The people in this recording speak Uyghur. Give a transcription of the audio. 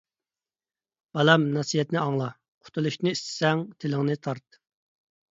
بالام نەسىھەتنى ئاڭلا، قۇتۇلۇشنى ئىستىسەڭ، تىلىڭنى تارت.